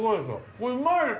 これうまいです。